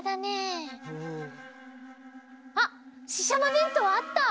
うん。あっししゃもべんとうあった！